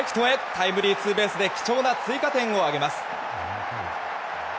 タイムリーツーベースで貴重な追加点を挙げます。